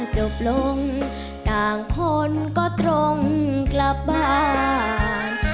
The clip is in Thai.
จบลงต่างคนก็ตรงกลับบ้าน